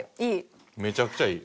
めちゃくちゃいい。